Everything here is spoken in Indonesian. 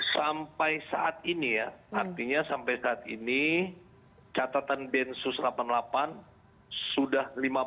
sampai saat ini ya artinya sampai saat ini catatan densus delapan puluh delapan sudah lima puluh delapan